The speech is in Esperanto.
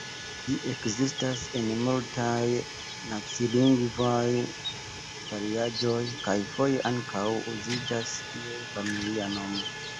Ĝi ekzistas en multaj nacilingvaj variaĵoj, kaj foje ankaŭ uziĝas kiel familia nomo.